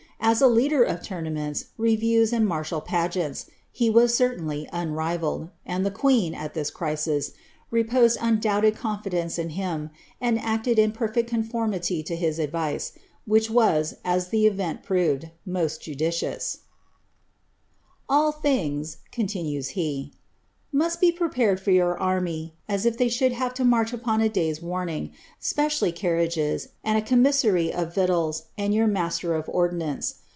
As a leader of tournaments, reviews, and martial pageants, he was certainly unrivalled, and the queen, at this cri sis, reposed unbounded confidence in him, and acted in perfect con formity to his advice, which was, as the event proved, most judicious :Ail things," continues he, must be prepared fbr yout army, as if they should have to mareh upon a day's warning, specially carriages, and a commissary of victnalfl, and your master of ordnance.